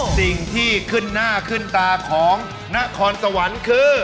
สิ่งที่ขึ้นหน้าขึ้นตาของนครสวรรค์คือ